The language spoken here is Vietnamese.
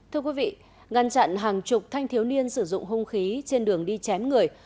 thưa quý vị ngăn chặn hàng chục thanh thiếu niên sử dụng hung khí trên đường đi chém người